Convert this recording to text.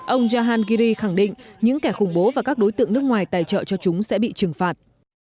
ông jahangiri khẳng định những kẻ khủng bố và các đối tượng nước ngoài tài trợ cho chúng sẽ bị trừng phạt